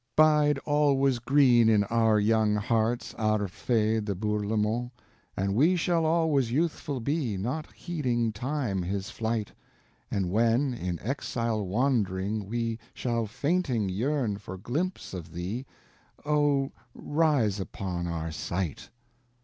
Bide always green in our young hearts, Arbre Fee de Bourlemont! And we shall always youthful be, Not heeding Time his flight; And when, in exile wand'ring, we Shall fainting yearn for glimpse of thee, Oh, rise upon our sight!